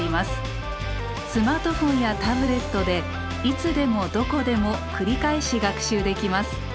スマートフォンやタブレットでいつでもどこでも繰り返し学習できます。